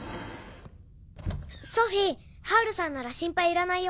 ソフィーハウルさんなら心配いらないよ。